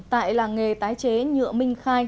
tại làng nghề tái chế nhựa minh khai